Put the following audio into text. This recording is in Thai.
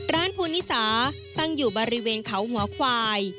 ภูนิสาตั้งอยู่บริเวณเขาหัวควาย